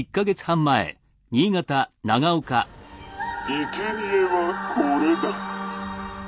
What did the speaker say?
「いけにえはこれだ」。